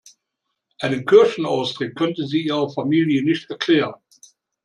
Einen Kirchenaustritt könnte sie ihrer Familie nicht erklären.